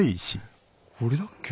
俺だっけ？